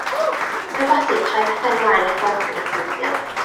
Mae'n bosib troi pethau mlaen a ffwrdd gyda'r symudiad.